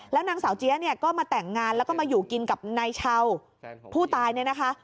แล้วนางสาวเจี๊ยเนี่ยก็มาแต่งงานแล้วก็มาอยู่กินกับนายเช่าผู้ตายเนี่ยนะคะ